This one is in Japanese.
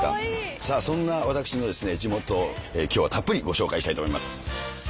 さあそんな私の地元を今日はたっぷりご紹介したいと思います。